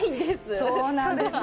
そうなんですよね。